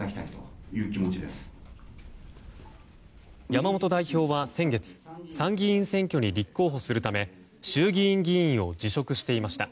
山本代表は先月参議院選挙に立候補するため衆議院議員を辞職していました。